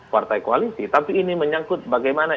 partai koalisi tapi ini menyangkut bagaimana